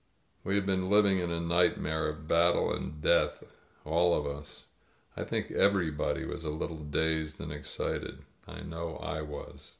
We had been living in a nightmare of battle and death — ^all of us. I think everybody was a little dazed and excited. I know I was.